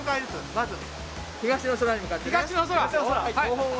まず東の空に向かって。